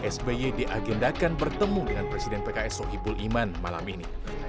sby diagendakan bertemu dengan presiden pks sohibul iman malam ini